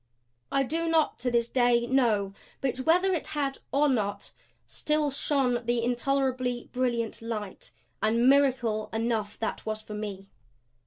I do not to this day know. But whether it had or not still shone the intolerably brilliant light. And miracle enough that was for me.